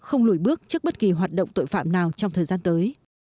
không lùi bước trước bất kỳ hoạt động tội phạm nào trong thời gian tới